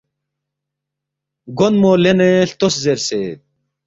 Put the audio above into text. گونمو لینے ہلتوس زیرسید